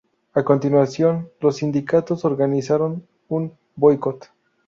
A continuación, los sindicatos organizaron un boicot.